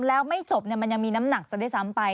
แล้วไม่จบมันยังมีน้ำหนักซะด้วยซ้ำไป